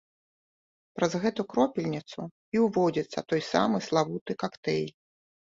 Праз гэту кропельніцу і ўводзіцца той самы славуты кактэйль.